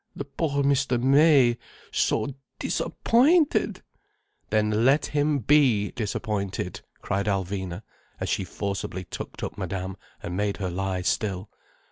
The poor Mr. May—so disappointed." "Then let him be disappointed," cried Alvina, as she forcibly tucked up Madame and made her lie still.